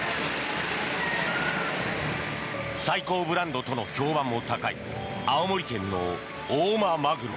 最高ブランドとの評判も高い青森県の大間まぐろ。